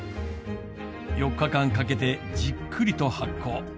４日間かけてじっくりと発酵。